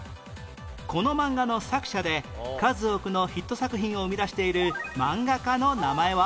このマンガの作者で数多くのヒット作品を生み出しているマンガ家の名前は？